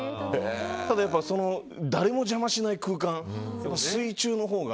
ただ、誰も邪魔しない空間。